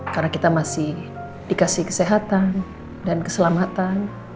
karena kita masih dikasih kesehatan dan keselamatan